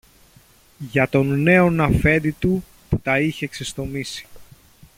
για τον νέον Αφέντη του που τα είχε ξεστομίσει.